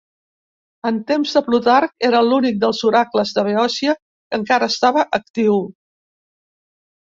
En temps de Plutarc era l'únic dels oracles de Beòcia que encara estava actiu.